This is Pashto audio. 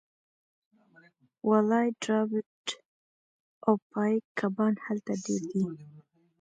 والای ټراوټ او پایک کبان هلته ډیر دي